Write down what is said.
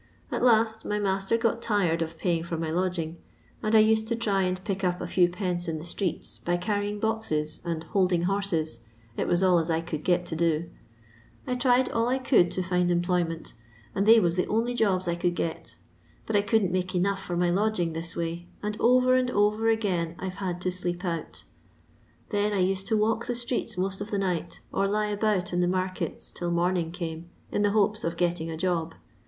At last, my master got tired of paying for my lodging, and I used to try and pick up a few pence in the streeU by carrying boxes and holding horses, it was all as I could get to do ; I tried all I could to find employment, and they was the only jobs I could get But I couldn't make enough for my lodging this way, and over and over again I 've had to sleep out Then I used to walk the streets most of the night, or lie about in the markets till morning came in the hopes of getting a job.